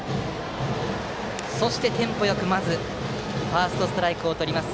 そしてテンポよくまずファーストストライクをとります。